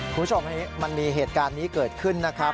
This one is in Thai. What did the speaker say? คุณผู้ชมมันมีเหตุการณ์นี้เกิดขึ้นนะครับ